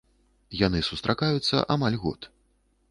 Яны сустракаюцца амаль год.